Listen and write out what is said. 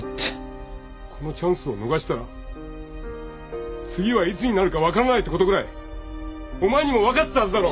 このチャンスを逃したら次はいつになるか分からないってことぐらいお前にも分かってたはずだろ。